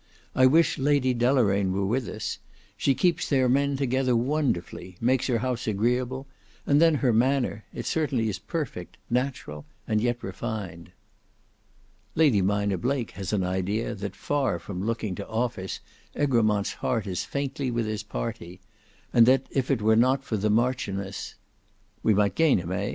I wish Lady Deloraine were with us. She keeps their men together wonderfully; makes her house agreeable; and then her manner—it certainly is perfect; natural, and yet refined." "Lady Mina Blake has an idea that far from looking to office, Egremont's heart is faintly with his party; and that if it were not for the Marchioness—" "We might gain him, eh?"